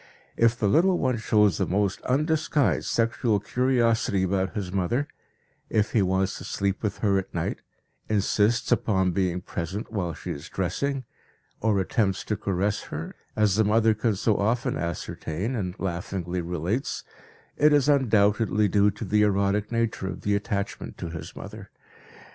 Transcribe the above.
If the little one shows the most undisguised sexual curiosity about his mother, if he wants to sleep with her at night, insists upon being present while she is dressing, or attempts to caress her, as the mother can so often ascertain and laughingly relates, it is undoubtedly due to the erotic nature of the attachment to his mother.